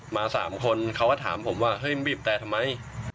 มา๓คนเขาก็ถามผมว่าเฮ้ยมึงบีบแต่ทำไม